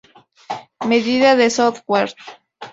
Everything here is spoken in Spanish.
Medida del Software.